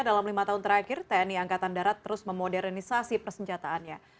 dalam lima tahun terakhir tni angkatan darat terus memodernisasi persenjataannya